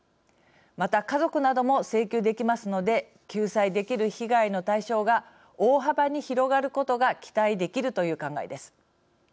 また、家族なども請求できますので救済できる被害の対象が大幅に広がることが期待できるという考えです。